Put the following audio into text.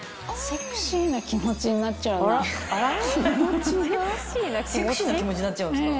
セクシーな気持ちになっちゃうんですか？